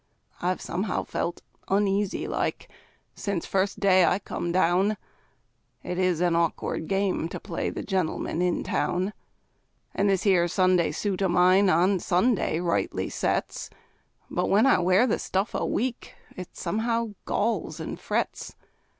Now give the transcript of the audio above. I've somehow felt uneasy like, since first day I come down; It is an awkward game to play the gentleman in town; And this 'ere Sunday suit of mine on Sunday rightly sets; But when I wear the stuff a week, it somehow galls and frets.